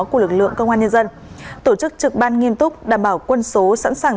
của lực lượng công an nhân dân tổ chức trực ban nghiêm túc đảm bảo quân số sẵn sàng